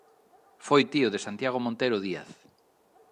Foi tío de Santiago Montero Díaz.